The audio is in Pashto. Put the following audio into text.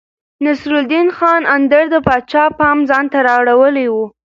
نصرالدين خان اندړ د پاچا پام ځانته رااړولی و.